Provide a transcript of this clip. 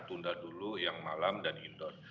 tunda dulu yang malam dan indoor